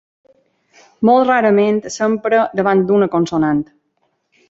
Molt rarament s'empra davant d'una consonant.